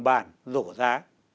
bản rổ giá